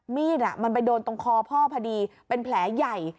มีดมันไปโดนตรงคอพ่อพอดีเป็นแผลใหญ่